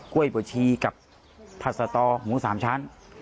กล้วยบ่วชีกับผัดตาตอหมูสามชั้น